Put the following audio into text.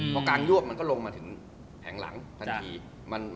พอการยวบมันก็ลงมาถึงแผงหลังทันที